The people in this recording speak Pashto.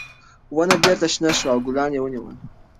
ونه بېرته شنه شوه او ګلان یې ونیول.